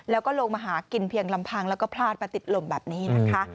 แล้วก็ลงมาหากินเพียงลำพังแล้วก็พลาดมาติดลมแบบนี้นะคะ